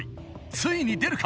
ついに出るか？